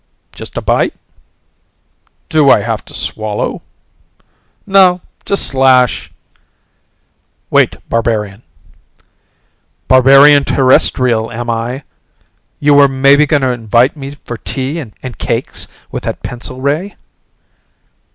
"Just a bite?" "Do I have to swallow?" "No. Just slash " "Wait, barbarian " "Barbarian Terrestrial, am I? You were maybe going to invite me for tea and cakes with that pencil ray?"